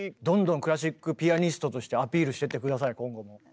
どんどんクラシックピアニストとしてアピールしてって下さい今後も。